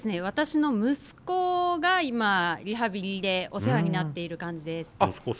私の息子が今リハビリでお世話になっている感じです。